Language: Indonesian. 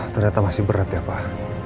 ternyata masih berat ya pak